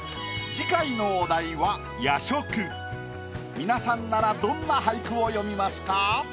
皆さんならどんな俳句を詠みますか？